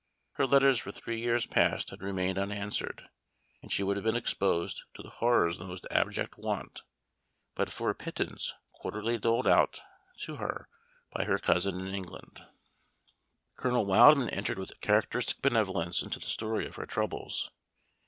Her letters for three years past had remained unanswered, and she would have been exposed to the horrors of the most abject want, but for a pittance quarterly doled out to her by her cousin in England. Colonel Wildman entered with characteristic benevolence into the story of her troubles.